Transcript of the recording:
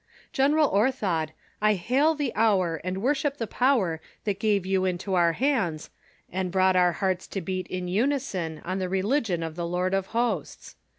"General Orthod, I hail the hour and worship the power tliat gave you into our hands, and brought our hearts to beat in unison on the religion of the Lord of hosts